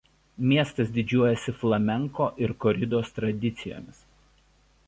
Miestas didžiuojasi flamenko ir koridos tradicijomis.